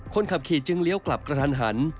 คนขับขี่จึงเลี้ยวกลับกระทันหัน